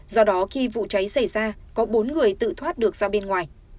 do đó khi vụ cháy xảy ra có bốn người tự thoát được ra bên ngoài